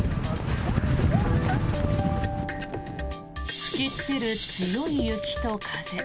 吹きつける強い雪と風。